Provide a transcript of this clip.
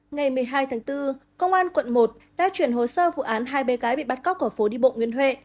ngày một mươi hai tháng bốn công an quận một đã chuyển hồ sơ vụ án hai bé gái bị bắt cóc ở phố đi bộ nguyên huệ